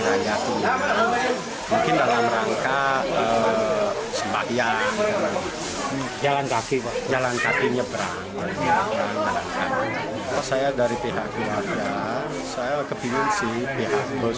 raya mungkin dalam rangka sembahyang jalan kaki jalan kakinya berangkat saya dari pihak saya